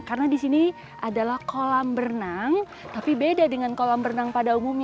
karena di sini adalah kolam berenang tapi beda dengan kolam berenang pada umumnya